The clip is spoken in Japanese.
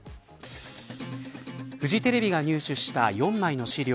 フジテレビが入手した４枚の資料